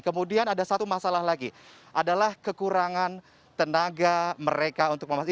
kemudian ada satu masalah lagi adalah kekurangan tenaga mereka untuk memastikan